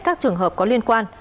các trường hợp có liên quan